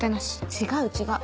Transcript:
違う違う。